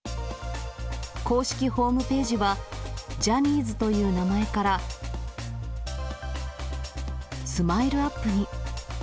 公式ホームページは、ジャニーズという名前から、スマイルアップに。